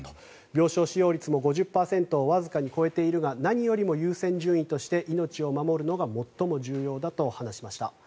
病床使用率も５０％をわずかに超えているが何よりも優先順位として命を守るのが最も重要だと話しました。